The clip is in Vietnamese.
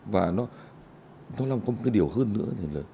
và nó là một cái điều hơn nữa